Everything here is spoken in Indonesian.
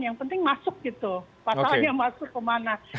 yang penting masuk gitu pasalnya masuk kemana